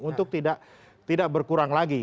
untuk tidak berkurang lagi